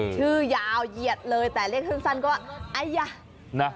ชื่อยาวเหยียดเลยแต่เรียกซึ่งสั้นก็อัยยะ